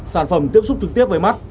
sản phẩm tiếp xúc trực tiếp với mắt